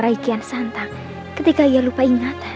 raikian santang ketika ia lupa ingatan